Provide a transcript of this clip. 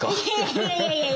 いやいやいやいや。